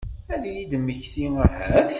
Ad iyi-d-temmekti ahat?